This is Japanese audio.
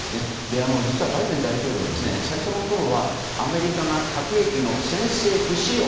実はバイデン大統領最初のころはアメリカが核兵器の先制不使用。